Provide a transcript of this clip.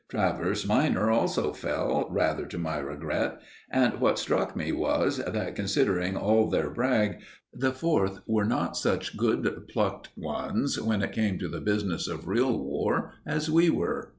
Travers minor also fell, rather to my regret; and what struck me was that, considering all their brag, the Fourth were not such good plucked ones when it came to the business of real war, as we were.